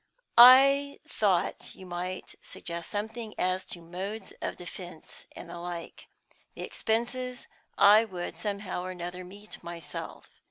"I thought you might suggest something as to modes of defence, and the like. The expenses I would somehow or other meet myself.